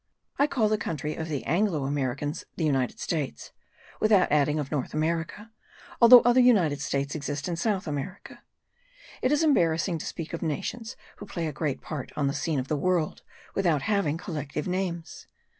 I call the country of the Anglo Americans the United States, without adding of North America, although other United States exist in South America. It is embarrassing to speak of nations who play a great part on the scene of the world without having collective names.